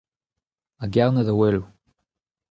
A Gerne da Oueloù.